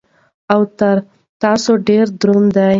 او تر تاسو ډېره درنه ده